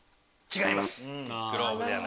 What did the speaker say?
違います。